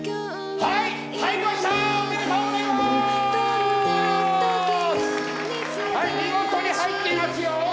はい見事に入っていますよ！